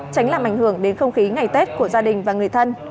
tránh làm ảnh hưởng đến không khí ngày tết của gia đình và người thân